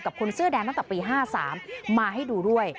คนเสื้อแดงตั้งแต่ปี๕๓มาให้ดูด้วย